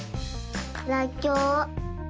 らっきょう。